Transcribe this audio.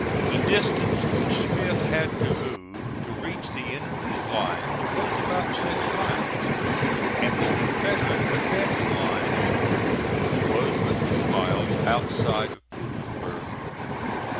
The distance which Smith had to move to reach the enemy's lines was about six miles, and the Confederate advance line of works was but two miles outside of Petersburg.